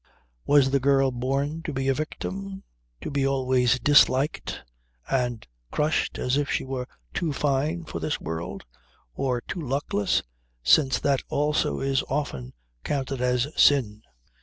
Was the girl born to be a victim; to be always disliked and crushed as if she were too fine for this world? Or too luckless since that also is often counted as sin.